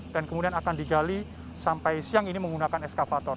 dan kemudian akan digali sampai siang ini menggunakan ekskavator